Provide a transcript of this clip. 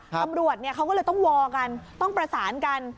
ตำรวจเขาก็เลยต้องวอลกันต้องประสานกัน